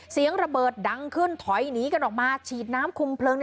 เสียงระเบิดดังขึ้นถอยหนีกันออกมาฉีดน้ำคุมเพลิง